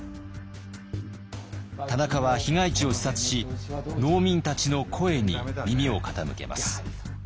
田中は被害地を視察し農民たちの声に耳を傾けます。